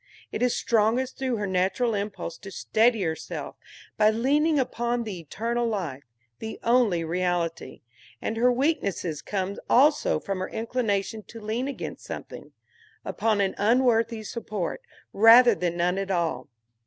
It is strongest through her natural impulse to steady herself by leaning upon the Eternal Life, the only Reality; and her weakness comes also from her inclination to lean against something, upon an unworthy support, rather than none at all.